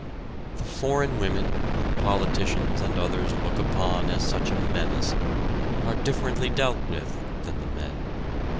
The foreign women, whom politicians and others look upon as such a menace, are differently dealt with than the men.